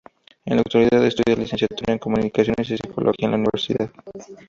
En la actualidad estudia licenciatura en comunicaciones y psicología en la universidad.